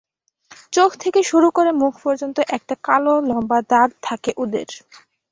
চোখ থেকে শুরু করে মুখ পর্যন্ত একটা কালো লম্বা দাগ থাকে ওদের।